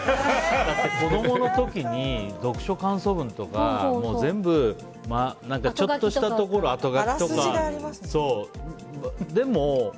子供の時に、読書感想文とか全部、ちょっとしたところ後書きとか。